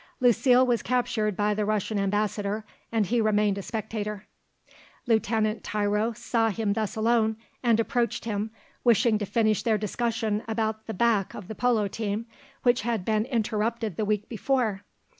Lucile was captured by the Russian Ambassador, and he remained a spectator. Lieutenant Tiro saw him thus alone and approached him, wishing to finish their discussion about the "back" of the polo team, which had been interrupted the week before.